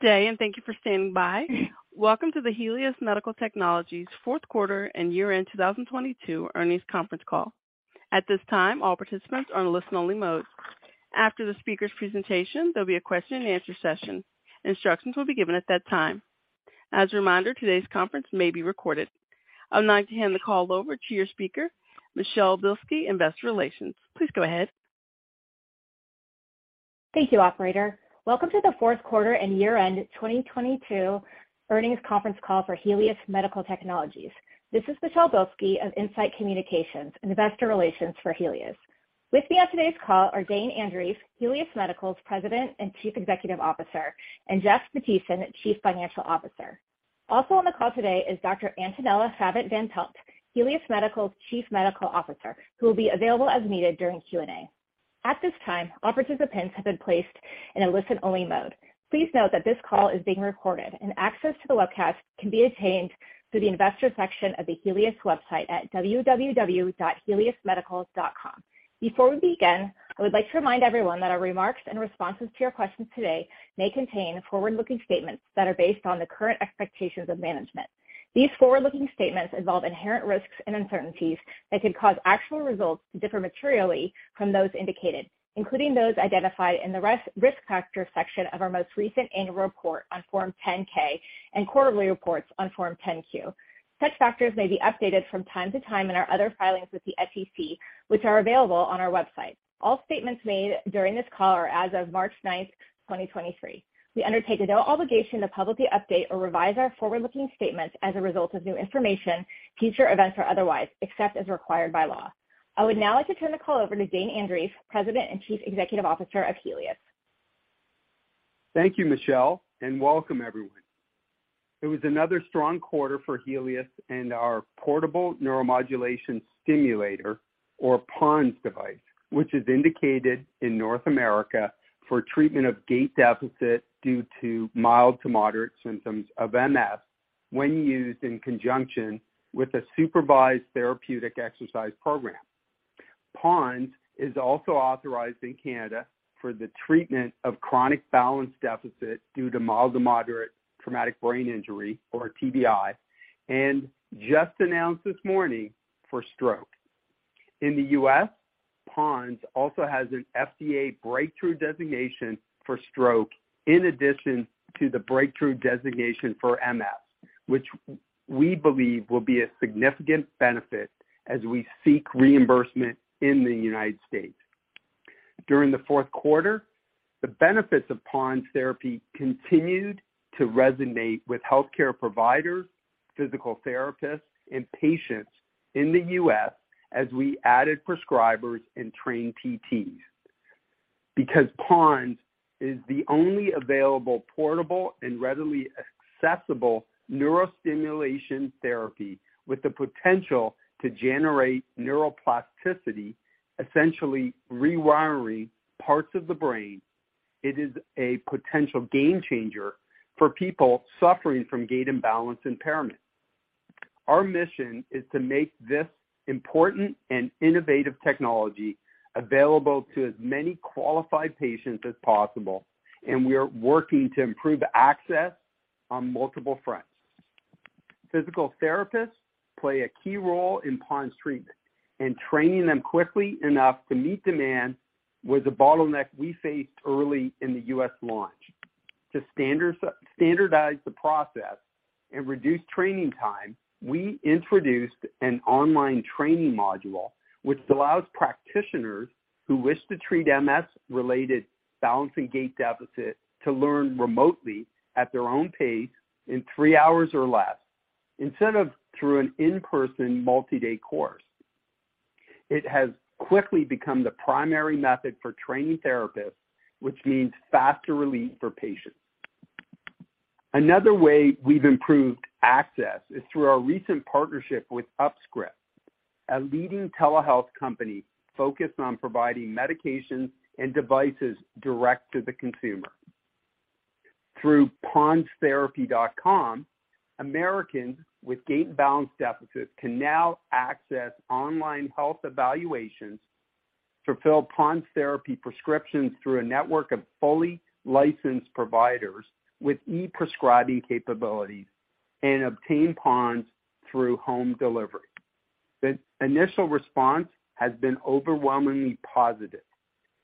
Good day. Thank you for standing by. Welcome to the Helius Medical Technologies fourth quarter and year-end 2022 earnings conference call. At this time, all participants are on listen only mode. After the speaker's presentation, there'll be a question and answer session. Instructions will be given at that time. As a reminder, today's conference may be recorded. I'd now like to hand the call over to your speaker, Michelle Bilski, Investor Relations. Please go ahead. Thank you, operator. Welcome to the fourth quarter and year-end 2022 earnings conference call for Helius Medical Technologies. This is Michelle Bilski of Insight Communications and Investor Relations for Helius. With me on today's call are Dane Andreeff, Helius Medical's President and Chief Executive Officer, and Jeff Mathiesen, Chief Financial Officer. Also on the call today is Dr. Antonella Favit-Van Pelt, Helius Medical's Chief Medical Officer, who will be available as needed during Q&A. At this time, all participants have been placed in a listen-only mode. Please note that this call is being recorded and access to the webcast can be obtained through the investor section of the Helius website at www.heliusmedical.com. Before we begin, I would like to remind everyone that our remarks and responses to your questions today may contain forward-looking statements that are based on the current expectations of management. These forward-looking statements involve inherent risks and uncertainties that could cause actual results to differ materially from those indicated, including those identified in the risk factors section of our most recent annual report on Form 10-K and quarterly reports on Form 10-Q. Such factors may be updated from time to time in our other filings with the SEC, which are available on our website. All statements made during this call are as of March 9, 2023. We undertake no obligation to publicly update or revise our forward-looking statements as a result of new information, future events or otherwise, except as required by law. I would now like to turn the call over to Dane Andreeff, President and Chief Executive Officer of Helius. Thank you, Michelle. Welcome everyone. It was another strong quarter for Helius and our Portable Neuromodulation Stimulator or PoNS device, which is indicated in North America for treatment of gait deficit due to mild to moderate symptoms of MS when used in conjunction with a supervised therapeutic exercise program. PoNS is also authorized in Canada for the treatment of chronic balance deficit due to mild to moderate traumatic brain injury or TBI, and just announced this morning for stroke. In the U.S., PoNS also has an FDA breakthrough designation for stroke in addition to the breakthrough designation for MS, which we believe will be a significant benefit as we seek reimbursement in the United States. During the fourth quarter, the benefits of PoNS therapy continued to resonate with healthcare providers, physical therapists and patients in the U.S. as we added prescribers and trained PTs. PoNS is the only available portable and readily accessible neurostimulation therapy with the potential to generate neuroplasticity, essentially rewiring parts of the brain, it is a potential game changer for people suffering from gait imbalance impairment. Our mission is to make this important and innovative technology available to as many qualified patients as possible, and we are working to improve access on multiple fronts. Physical therapists play a key role in PoNS treatment and training them quickly enough to meet demand was a bottleneck we faced early in the U.S. launch. To standardize the process and reduce training time, we introduced an online training module which allows practitioners who wish to treat MS-related balance and gait deficit to learn remotely at their own pace in 3 hours or less instead of through an in-person multi-day course. It has quickly become the primary method for training therapists, which means faster relief for patients. Another way we've improved access is through our recent partnership with UpScript, a leading telehealth company focused on providing medications and devices direct to the consumer. Through ponstherapy.com, Americans with gait and balance deficits can now access online health evaluations to fill PoNS therapy prescriptions through a network of fully licensed providers with e-prescribing capabilities and obtain PoNS through home delivery. The initial response has been overwhelmingly positive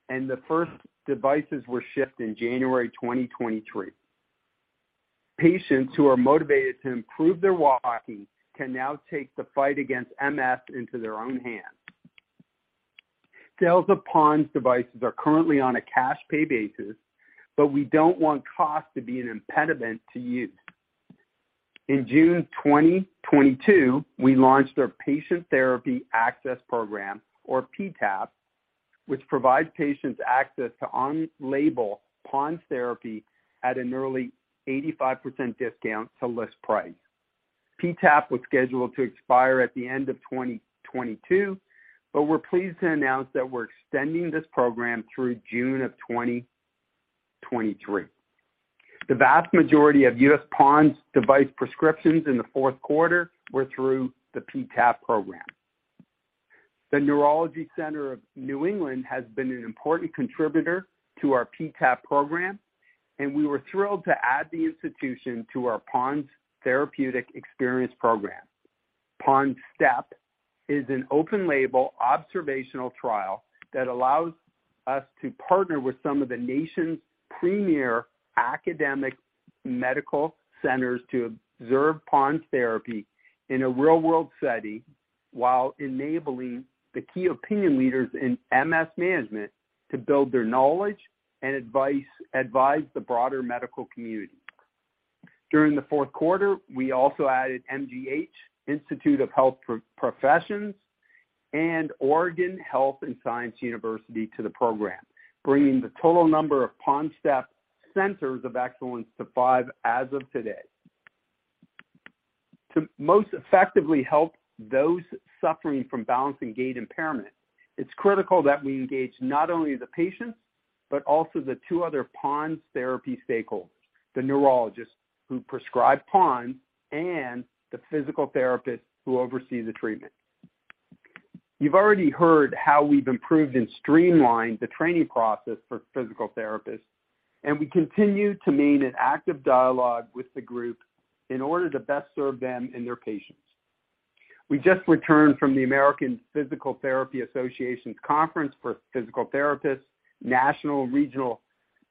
and the first devices were shipped in January 2023. Patients who are motivated to improve their walking can now take the fight against MS into their own hands. We don't want cost to be an impediment to use. In June 2022, we launched our Patient Therapy Access Program or PTAP, which provides patients access to on-label PoNS therapy at a nearly 85% discount to list price. PTAP was scheduled to expire at the end of 2022. We're pleased to announce that we're extending this program through June of 2023. The vast majority of U.S. PoNS device prescriptions in the fourth quarter were through the PTAP program. The Neurology Center of New England has been an important contributor to our PTAP program. We were thrilled to add the institution to our PoNS Therapeutic Experience Program. PoNSTEP is an open-label observational trial that allows us to partner with some of the nation's premier academic medical centers to observe PoNS therapy in a real-world setting while enabling the key opinion leaders in MS management to build their knowledge and advise the broader medical community. During the fourth quarter, we also added MGH Institute of Health Professions and Oregon Health & Science University to the program, bringing the total number of PoNSTEP centers of excellence to five as of today. To most effectively help those suffering from balance and gait impairment, it's critical that we engage not only the patients, but also the two other PoNS therapy stakeholders, the neurologists who prescribe PoNS and the physical therapists who oversee the treatment. You've already heard how we've improved and streamlined the training process for physical therapists. We continue to maintain an active dialogue with the group in order to best serve them and their patients. We just returned from the American Physical Therapy Association's conference for physical therapists, national regional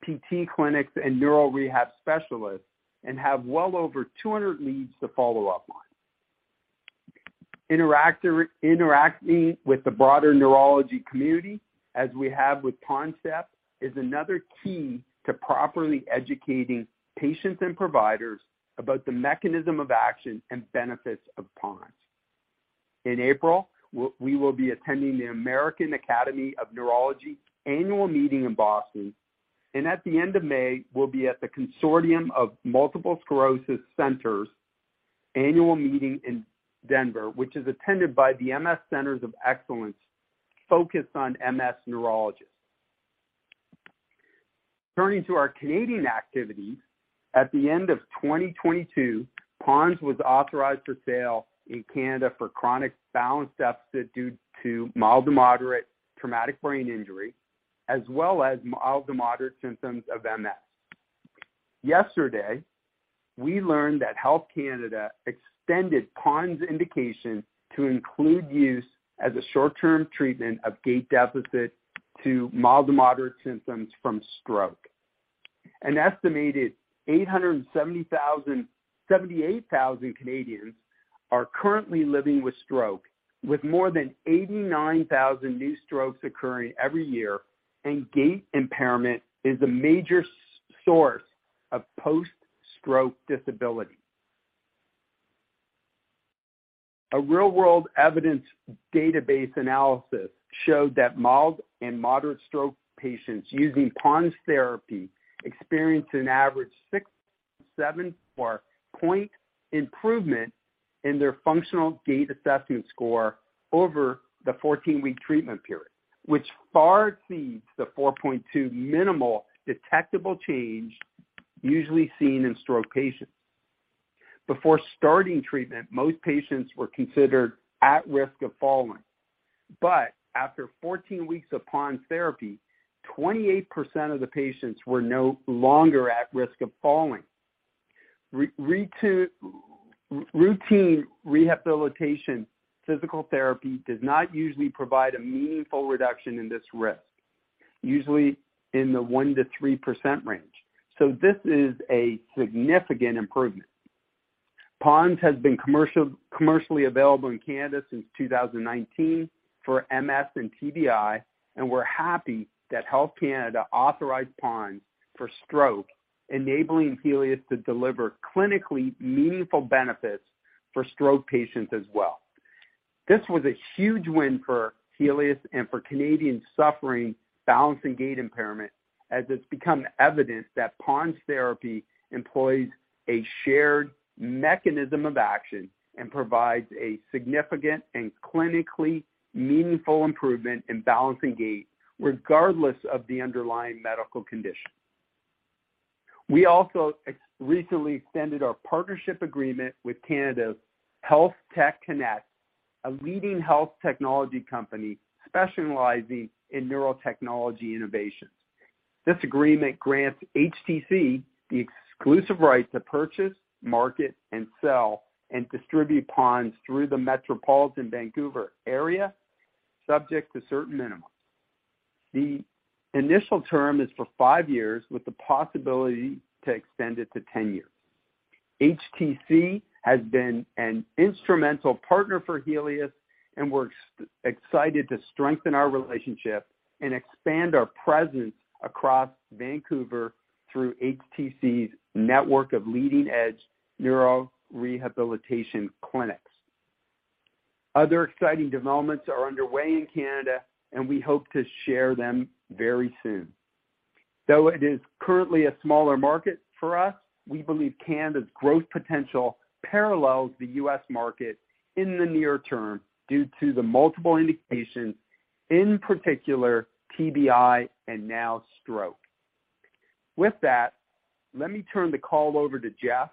PT clinics, and neuro rehab specialists, and have well over 200 leads to follow up on. Interacting with the broader neurology community, as we have with PoNSTEP, is another key to properly educating patients and providers about the mechanism of action and benefits of PoNS. In April, we will be attending the American Academy of Neurology annual meeting in Boston, and at the end of May, we'll be at the Consortium of Multiple Sclerosis Centers annual meeting in Denver, which is attended by the MS Centers of Excellence focused on MS neurologists. Turning to our Canadian activities, at the end of 2022, PoNS was authorized for sale in Canada for chronic balance deficit due to mild to moderate traumatic brain injury, as well as mild to moderate symptoms of MS. Yesterday, we learned that Health Canada extended PoNS indication to include use as a short-term treatment of gait deficit to mild to moderate symptoms from stroke. An estimated 878,000 Canadians are currently living with stroke, with more than 89,000 new strokes occurring every year. Gait impairment is a major source of post-stroke disability. A real-world evidence database analysis showed that mild and moderate stroke patients using PoNS therapy experience an average 6 to 7 point improvement in their Functional Gait Assessment score over the 14-week treatment period, which far exceeds the 4.2 minimal detectable change usually seen in stroke patients. Before starting treatment, most patients were considered at risk of falling. After 14 weeks of PoNS therapy, 28% of the patients were no longer at risk of falling. Routine rehabilitation physical therapy does not usually provide a meaningful reduction in this risk, usually in the 1%-3% range. This is a significant improvement. PoNS has been commercially available in Canada since 2019 for MS and TBI, and we're happy that Health Canada authorized PoNS for stroke, enabling Helius to deliver clinically meaningful benefits for stroke patients as well. This was a huge win for Helius and for Canadians suffering balance and gait impairment, as it's become evident that PoNS therapy employs a shared mechanism of action and provides a significant and clinically meaningful improvement in balance and gait regardless of the underlying medical condition. We also recently extended our partnership agreement with Canada's Health Tech Connect, a leading health technology company specializing in neurotechnology innovations. This agreement grants HTC the exclusive right to purchase, market, and sell, and distribute PoNS through the metropolitan Vancouver area, subject to certain minimums. The initial term is for 5 years with the possibility to extend it to 10 years. HTC has been an instrumental partner for Helius, and we're excited to strengthen our relationship and expand our presence across Vancouver through HTC's network of leading-edge neuro rehabilitation clinics. Other exciting developments are underway in Canada, and we hope to share them very soon. Though it is currently a smaller market for us, we believe Canada's growth potential parallels the U.S. market in the near term due to the multiple indications, in particular TBI and now stroke. With that, let me turn the call over to Jeff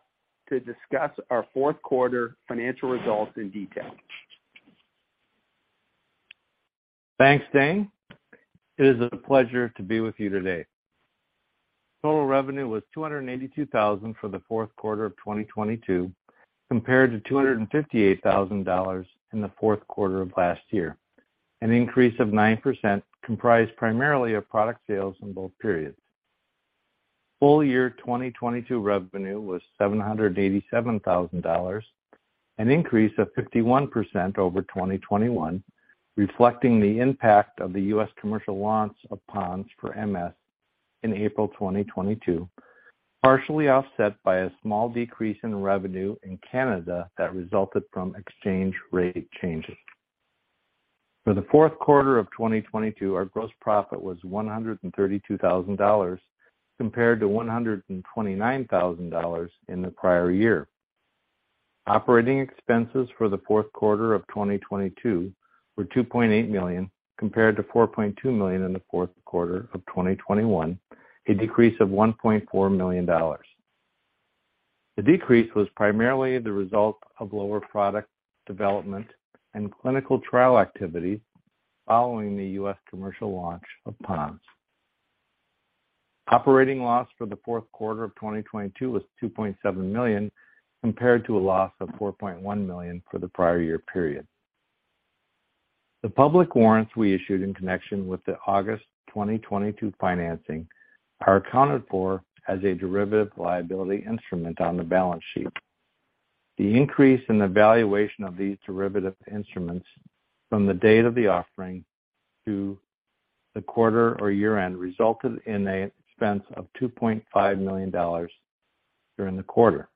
to discuss our fourth quarter financial results in detail. Thanks, Dane. It is a pleasure to be with you today. Total revenue was $282,000 for the fourth quarter of 2022, compared to $258,000 in the fourth quarter of last year, an increase of 9% comprised primarily of product sales in both periods. Full year 2022 revenue was $787,000, an increase of 51% over 2021, reflecting the impact of the U.S. commercial launch of PoNS for MS in April 2022, partially offset by a small decrease in revenue in Canada that resulted from exchange rate changes. For the fourth quarter of 2022, our gross profit was $132,000 compared to $129,000 in the prior year. Operating expenses for the fourth quarter of 2022 were $2.8 million compared to $4.2 million in the fourth quarter of 2021, a decrease of $1.4 million. The decrease was primarily the result of lower product development and clinical trial activity following the U.S. commercial launch of PoNS. Operating loss for the fourth quarter of 2022 was $2.7 million, compared to a loss of $4.1 million for the prior year period. The public warrants we issued in connection with the August 2022 financing are accounted for as a derivative liability instrument on the balance sheet. The increase in the valuation of these derivative instruments from the date of the offering to the quarter or year-end resulted in a expense of $2.5 million during the quarter.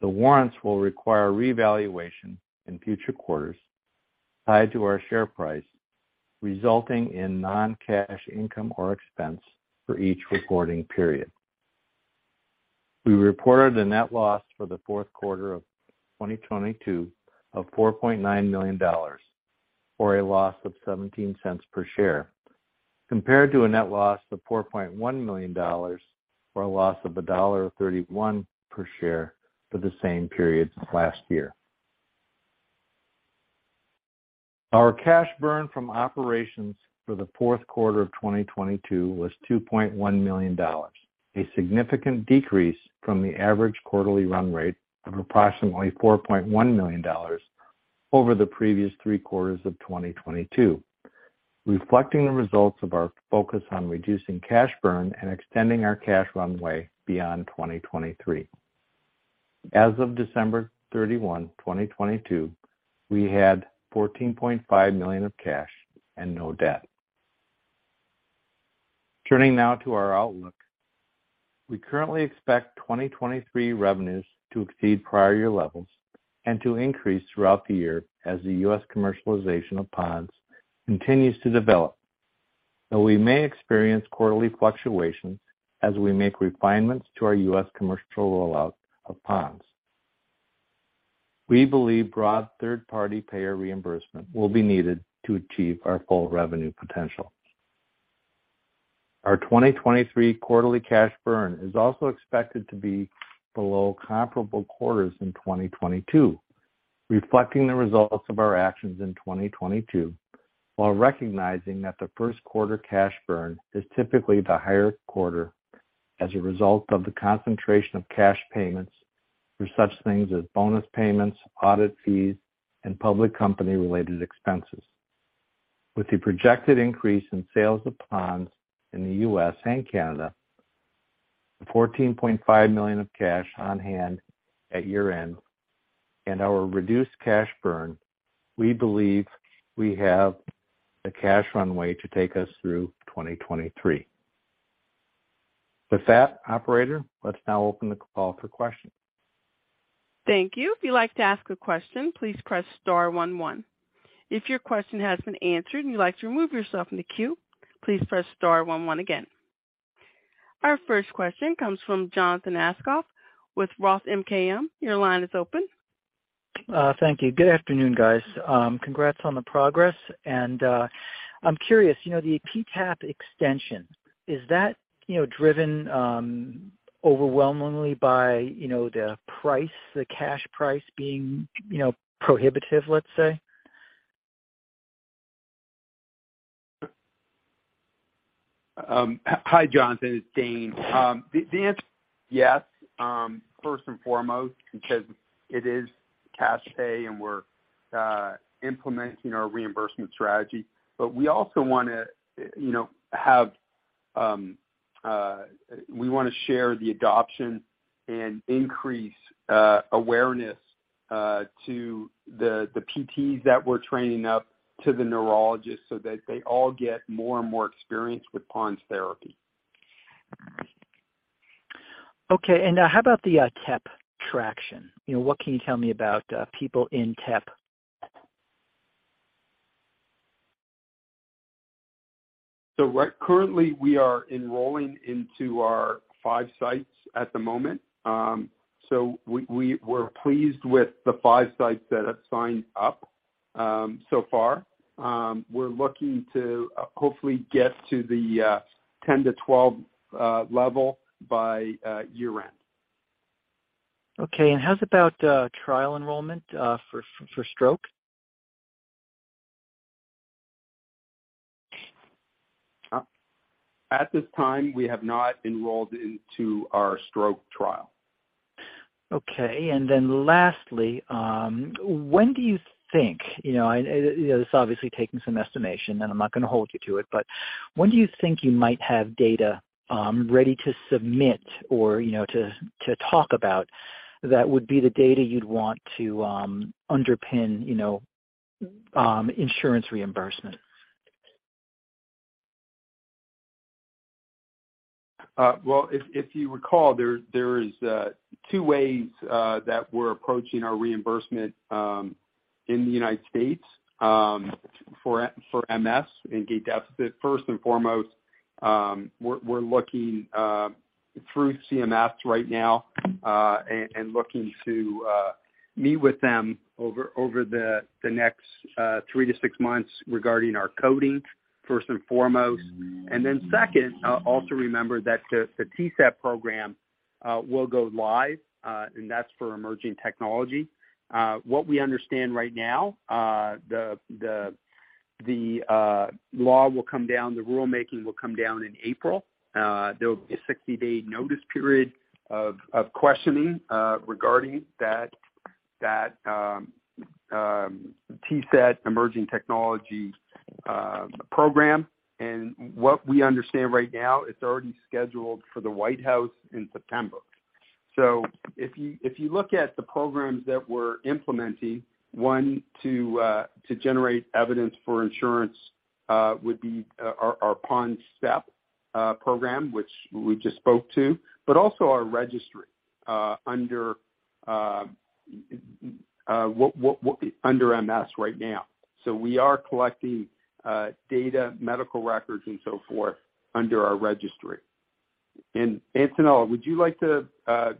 The warrants will require revaluation in future quarters tied to our share price, resulting in non-cash income or expense for each recording period. We reported a net loss for the fourth quarter of 2022 of $4.9 million, or a loss of $0.17 per share, compared to a net loss of $4.1 million, or a loss of $1.31 per share for the same period last year. Our cash burn from operations for the fourth quarter of 2022 was $2.1 million, a significant decrease from the average quarterly run rate of approximately $4.1 million over the previous 3 quarters of 2022, reflecting the results of our focus on reducing cash burn and extending our cash runway beyond 2023. As of December 31, 2022, we had $14.5 million of cash and no debt. Turning now to our outlook. We currently expect 2023 revenues to exceed prior year levels and to increase throughout the year as the U.S. commercialization of PoNS continues to develop, though we may experience quarterly fluctuations as we make refinements to our U.S. commercial rollout of PoNS. We believe broad third-party payer reimbursement will be needed to achieve our full revenue potential. Our 2023 quarterly cash burn is also expected to be below comparable quarters in 2022, reflecting the results of our actions in 2022, while recognizing that the first quarter cash burn is typically the higher quarter as a result of the concentration of cash payments for such things as bonus payments, audit fees, and public company-related expenses. With the projected increase in sales of PoNS in the U.S. and Canada, the $14.5 million of cash on hand at year-end and our reduced cash burn, we believe we have the cash runway to take us through 2023. With that, operator, let's now open the call for questions. Thank you. If you'd like to ask a question, please press star one one. If your question has been answered and you'd like to remove yourself from the queue, please press star one one again. Our first question comes from Jonathan Aschoff with ROTH MKM. Your line is open. Thank you. Good afternoon, guys. Congrats on the progress. I'm curious, you know, the PTAP extension, is that, you know, driven, overwhelmingly by, you know, the price, the cash price being, you know, prohibitive, let's say? Hi, Jonathan, it's Dane. The answer, yes, first and foremost, because it is cash pay and we're implementing our reimbursement strategy. We also wanna, you know, have, we wanna share the adoption and increase awareness to the PTs that we're training up to the neurologists, so that they all get more and more experience with PoNS therapy. Okay. How about the TEP traction? You know, what can you tell me about people in TEP? Right currently, we are enrolling into our five sites at the moment. We're pleased with the five sites that have signed up so far. We're looking to hopefully get to the 10-12 level by year-end. Okay. How's about trial enrollment for stroke? At this time, we have not enrolled into our stroke trial. Okay. Then lastly, when do you think, you know, and this is obviously taking some estimation, and I'm not gonna hold you to it, but when do you think you might have data, ready to submit or, you know, to talk about that would be the data you'd want to, underpin, you know, insurance reimbursement? Well, if you recall, there is 2 ways that we're approaching our reimbursement in the United States for MS and gait deficit. First and foremost, we're looking through CMS right now and looking to meet with them over the next three to six months regarding our coding, first and foremost. Second, also remember that the TCET program will go live, and that's for emerging technology. What we understand right now, the law will come down, the rulemaking will come down in April. There will be a 60-day notice period of questioning regarding that TCET emerging technology program. What we understand right now, it's already scheduled for the White House in September. If you look at the programs that we're implementing, one, to generate evidence for insurance, would be our PoNSTEP program, which we just spoke to, but also our registry under MS right now. We are collecting data, medical records and so forth under our registry. Antonella, would you like to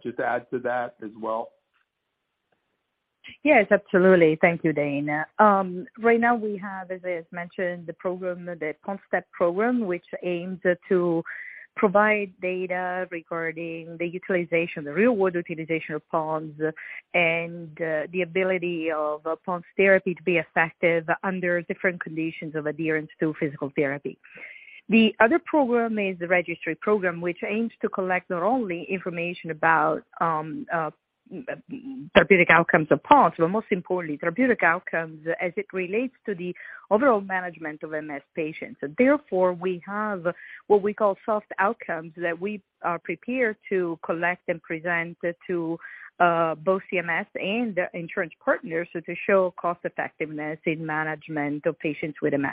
just add to that as well? Yes, absolutely. Thank you, Dane. Right now we have, as is mentioned, the program, the PoNSTEP program, which aims to provide data regarding the utilization, the real-world utilization of PoNS and the ability of PoNS therapy to be effective under different conditions of adherence to physical therapy. The other program is the registry program, which aims to collect not only information about therapeutic outcomes of PoNS, but most importantly, therapeutic outcomes as it relates to the overall management of MS patients. Therefore, we have what we call soft outcomes that we are prepared to collect and present to both CMS and the insurance partners to show cost effectiveness in management of patients with MS.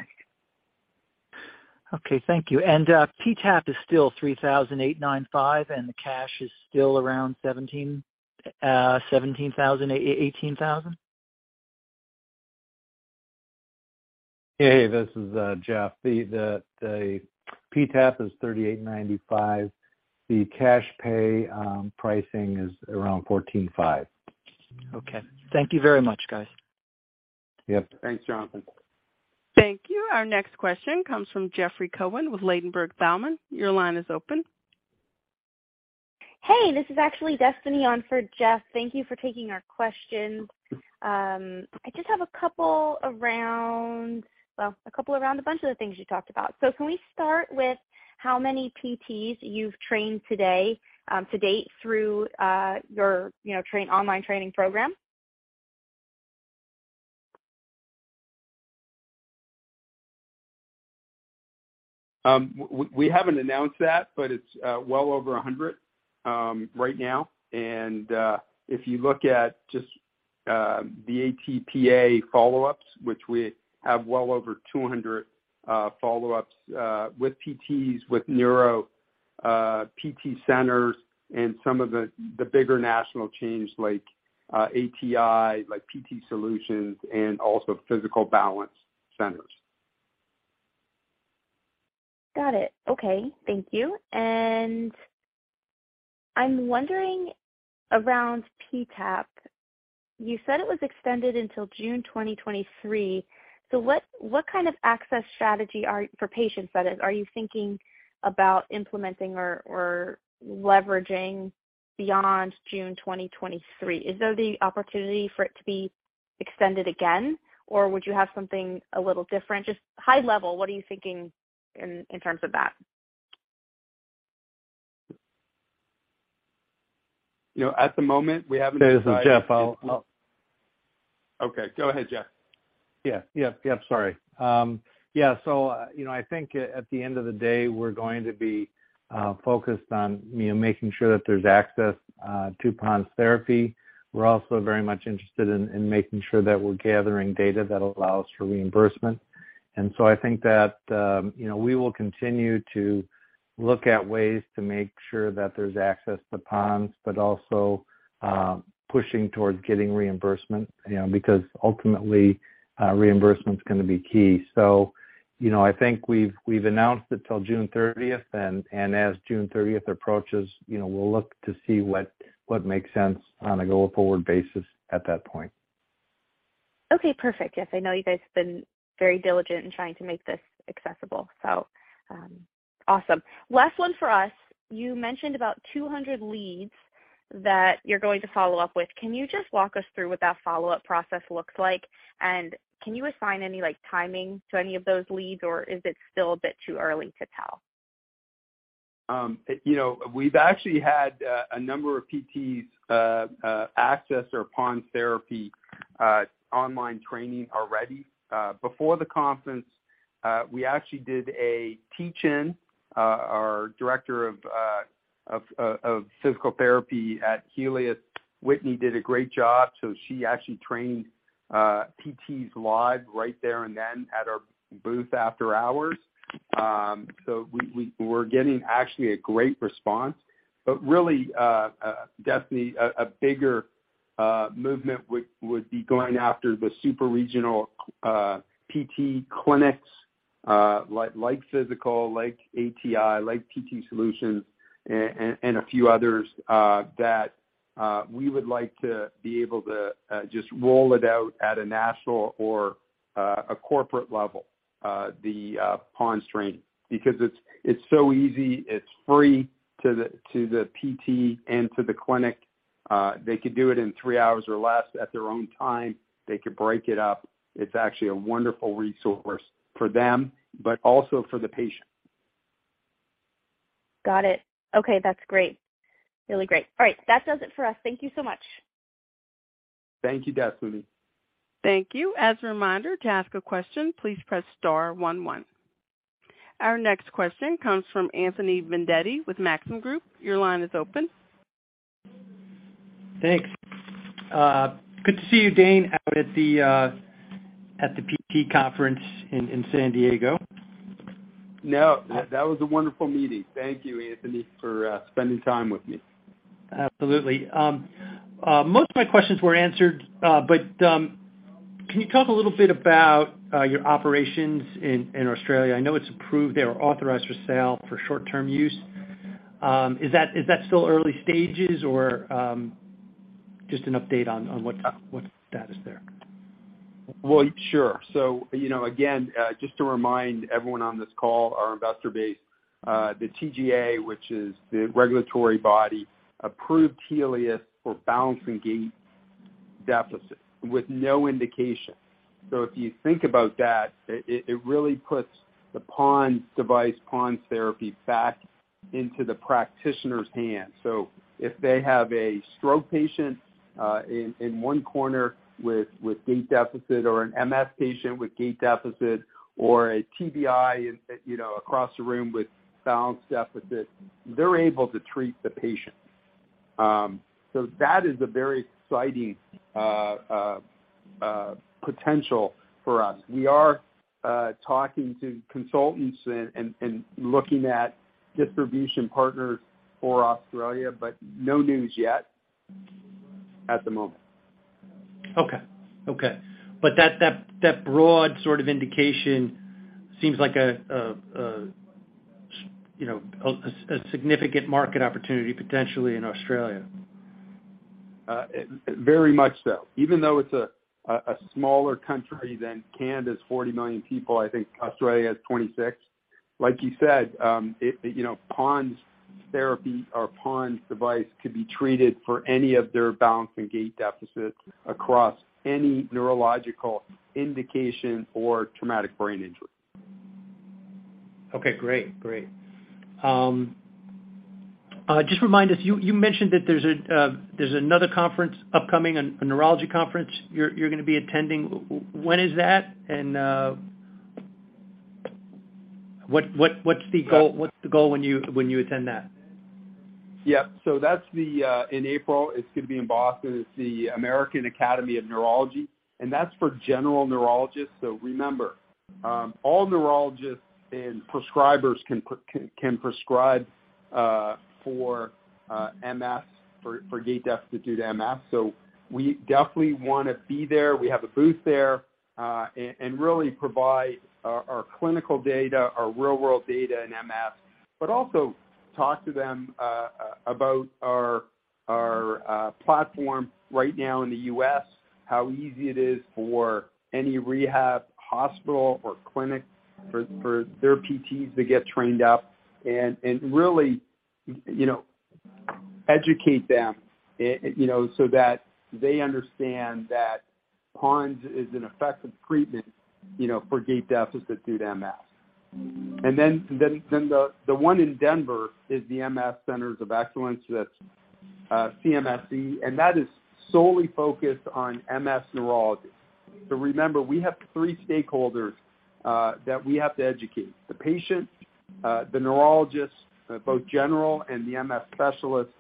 Okay. Thank you. TCET is still $3,895, and the cash is still around $17,000-$18,000? Hey, this is Jeff. The TCET is $3,895. The cash pay pricing is around $1,450. Okay. Thank you very much, guys. Yep. Thanks, Jonathan. Thank you. Our next question comes from Jeffrey Cohen with Ladenburg Thalmann. Your line is open. Hey, this is actually Destiny on for Jeff. Thank you for taking our question. I just have a couple around, well, a couple around a bunch of the things you talked about. Can we start with how many PTs you've trained today, to date through, your, you know, online training program? We haven't announced that, but it's well over 100 right now. If you look at just the ATPA follow-ups, which we have well over 200 follow-ups with PTs, with neuro PT centers and some of the bigger national chains like ATI, like PT Solutions, and also Physical Balance Centers. Got it. Okay. Thank you. I'm wondering around TCET. You said it was extended until June 2023. What kind of access strategy for patients that is, are you thinking about implementing or leveraging beyond June 2023? Is there the opportunity for it to be extended again, or would you have something a little different? Just high level, what are you thinking in terms of that? You know, at the moment, we haven't decided. This is Jeff. Okay, go ahead, Jeff. Yeah. Yep. Yep, sorry. Yeah, you know, I think at the end of the day, we're going to be focused on, you know, making sure that there's access to PoNS therapy. We're also very much interested in making sure that we're gathering data that allows for reimbursement. I think that, you know, we will continue to look at ways to make sure that there's access to PoNS, but also pushing towards getting reimbursement, you know, because ultimately, reimbursement is gonna be key. You know, I think we've announced it till June 30th and as June 30th approaches, you know, we'll look to see what makes sense on a go forward basis at that point. Perfect. Yes, I know you guys have been very diligent in trying to make this accessible. Awesome. Last one for us. You mentioned about 200 leads that you're going to follow up with. Can you just walk us through what that follow-up process looks like? Can you assign any, like, timing to any of those leads, or is it still a bit too early to tell? You know, we've actually had a number of PTs access our PoNS Therapy online training already. Before the conference, we actually did a teach-in. Our Director of Physical Therapy at Helius, Whitney, did a great job, so she actually trained PTs live right there and then at our booth after hours. We're getting actually a great response. Really, Destiny, a bigger movement would be going after the super-regional PT clinics, like Physical, like ATI, like PT Solutions, and a few others that we would like to be able to just roll it out at a national or a corporate level, the PoNS training. Because it's so easy, it's free to the PT and to the clinic. They could do it in 3 hours or less at their own time. They could break it up. It's actually a wonderful resource for them, but also for the patient. Got it. Okay, that's great. Really great. All right. That does it for us. Thank you so much. Thank you, Destiny. Thank you. As a reminder, to ask a question, please press star one one. Our next question comes from Anthony Vendetti with Maxim Group. Your line is open. Thanks. Good to see you, Dane, out at the PT conference in San Diego. No, that was a wonderful meeting. Thank you, Anthony, for spending time with me. Absolutely. Most of my questions were answered, but can you talk a little bit about your operations in Australia? I know it's approved or authorized for sale for short-term use. Is that still early stages or just an update on what status there? Sure. you know, again, just to remind everyone on this call, our investor base, the TGA, which is the regulatory body, approved Helius for balance and gait deficits with no indication. If you think about that, it really puts the PoNS device, PoNS therapy back into the practitioner's hands. If they have a stroke patient, in one corner with gait deficit or an MS patient with gait deficit or a TBI you know, across the room with balance deficit, they're able to treat the patient. That is a very exciting potential for us. We are talking to consultants and looking at distribution partners for Australia, no news yet at the moment. Okay. Okay. That broad sort of indication seems like a, you know, a significant market opportunity potentially in Australia. very much so. Even though it's a smaller country than Canada's 40 million people, I think Australia has 26. Like you said, you know, PoNS therapy or PoNS device could be treated for any of their balance and gait deficits across any neurological indication or traumatic brain injury. Okay, great. Great. Just remind us. You mentioned that there's another conference upcoming, a neurology conference you're gonna be attending. When is that, and what's the goal, what's the goal when you attend that? Yeah. That's the in April, it's gonna be in Boston. It's the American Academy of Neurology, that's for general neurologists. Remember, all neurologists and prescribers can prescribe for MS, for gait deficit due to MS. We definitely wanna be there. We have a booth there, and really provide our clinical data, our real-world data in MS, but also talk to them about our platform right now in the U.S., how easy it is for any rehab hospital or clinic for their PTs to get trained up and really, you know, educate them, you know, so that they understand that PoNS is an effective treatment, you know, for gait deficit due to MS. Then the one in Denver is the MS Centers of Excellence. That's [MSCoE], and that is solely focused on MS neurology. Remember, we have three stakeholders that we have to educate. The patient, the neurologists, both general and the MS specialists,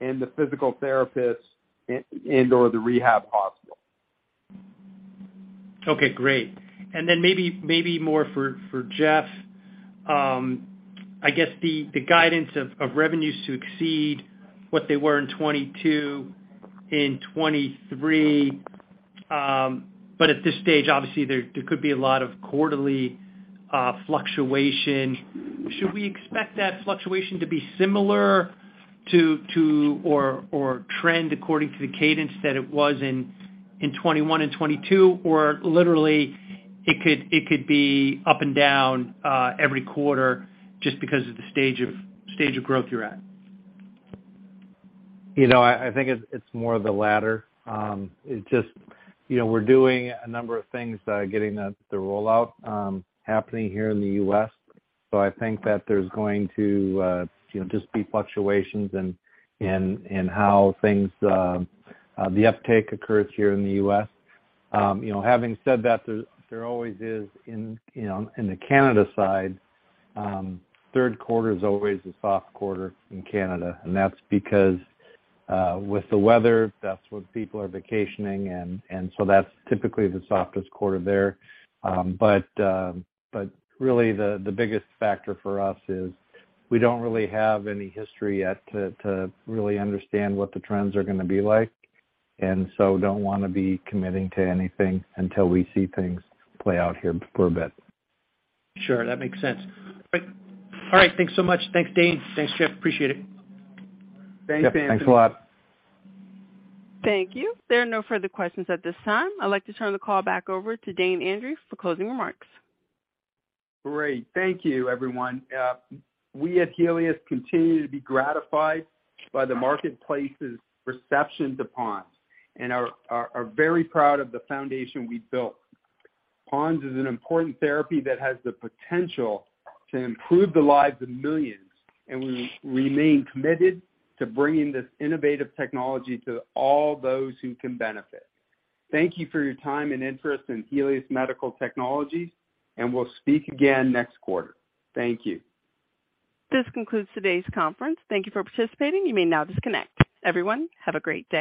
and the physical therapists and/or the rehab hospital. Okay, great. Maybe more for Jeff. I guess the guidance of revenues to exceed what they were in 2022, in 2023. At this stage, obviously, there could be a lot of quarterly fluctuation. Should we expect that fluctuation to be similar to, or trend according to the cadence that it was in 2021 and 2022, or literally it could be up and down every quarter just because of the stage of growth you're at? You know, I think it's more of the latter. You know, we're doing a number of things, getting the rollout happening here in the U.S., so I think that there's going to, you know, just be fluctuations in how things the uptake occurs here in the U.S. You know, having said that, there always is in, you know, in the Canada side, third quarter's always the soft quarter in Canada, and that's because with the weather, that's when people are vacationing and so that's typically the softest quarter there. But really the biggest factor for us is we don't really have any history yet to really understand what the trends are gonna be like, and so don't wanna be committing to anything until we see things play out here for a bit. Sure. That makes sense. All right, thanks so much. Thanks, Dane. Thanks, Jeff. Appreciate it. Thanks, Anthony. Yep, thanks a lot. Thank you. There are no further questions at this time. I'd like to turn the call back over to Dane Andreeff for closing remarks. Great. Thank you, everyone. We at Helius continue to be gratified by the marketplace's perception to PoNS and are very proud of the foundation we've built. PoNS is an important therapy that has the potential to improve the lives of millions, and we remain committed to bringing this innovative technology to all those who can benefit. Thank you for your time and interest in Helius Medical Technologies, and we'll speak again next quarter. Thank you. This concludes today's conference. Thank you for participating. You may now disconnect. Everyone, have a great day.